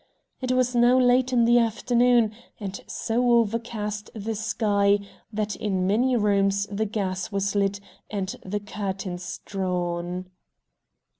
It was now late in the afternoon, and so overcast the sky that in many rooms the gas was lit and the curtains drawn.